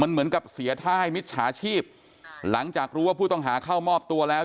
เหมือนกับเสียท่าให้มิจฉาชีพหลังจากรู้ว่าผู้ต้องหาเข้ามอบตัวแล้ว